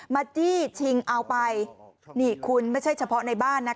จี้ชิงเอาไปนี่คุณไม่ใช่เฉพาะในบ้านนะ